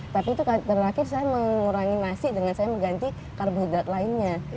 tapi itu terakhir saya mengurangi nasi dengan saya mengganti karbohidrat lainnya